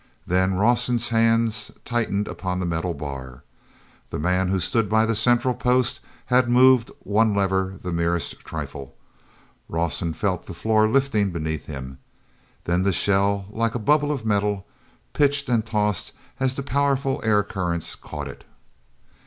Then Rawson's hands tightened upon the metal bar. The man who stood by the central post had moved one lever the merest trifle. Rawson felt the floor lifting beneath him. Then the shell, like a bubble of metal, pitched and tossed as the powerful air currents caught it.